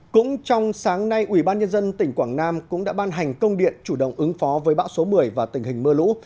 cũng trong sáng nay ubnd tỉnh quảng nam cũng đã ban hành công điện chủ động ứng phó với bão số một mươi và tình hình mưa lũ